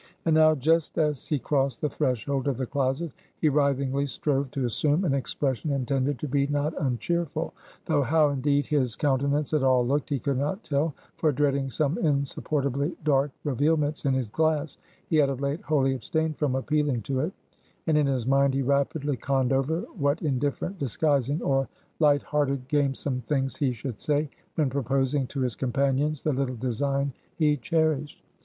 And now, just as he crossed the threshold of the closet, he writhingly strove to assume an expression intended to be not uncheerful though how indeed his countenance at all looked, he could not tell; for dreading some insupportably dark revealments in his glass, he had of late wholly abstained from appealing to it and in his mind he rapidly conned over, what indifferent, disguising, or light hearted gamesome things he should say, when proposing to his companions the little design he cherished.